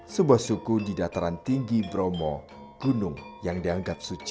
sebuah suku di dataran tinggi bromo gunung yang dianggap suci